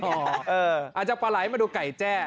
อาจจะปลาไหลมาดูไก่แจ้